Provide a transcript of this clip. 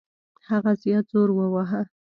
هغه زیات زور وواهه.